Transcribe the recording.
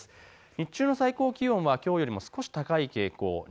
日中の最高気温はきょうよりも少し高い傾向。